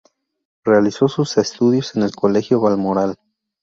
Realizó sus estudios en el Colegio Balmoral.